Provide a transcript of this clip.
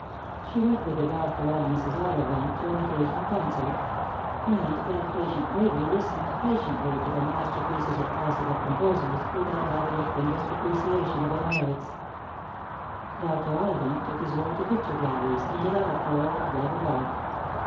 She went with the doctor and Mrs. Ollivant to an occasional concert ; and that simple lady listened patiently to the masterpieces of classi cal composers, without having the faintest appreciation of their merits. Dr. Ollivant took his ward to picture galleries, and developed her old love of art.